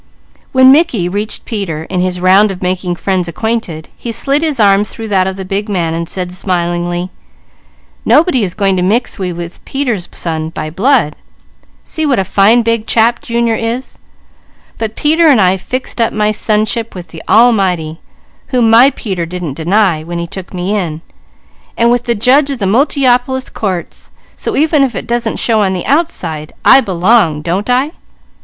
When Mickey reached Peter in his round of making friends acquainted, he slid his arm through that of the big man and said smilingly: "Nobody is going to mix me with Peter's son by blood see what a fine chap Junior is; but Peter and I fixed up my sonship with the Almighty, whom my Peter didn't deny, when he took me in, and with the judge of the Multiopolis courts; so even if it doesn't show on the outside, I belong, don't I?"